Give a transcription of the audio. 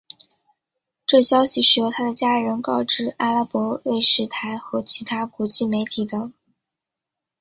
这消息是由他的家人告知阿拉伯卫视台和其他国际媒体的。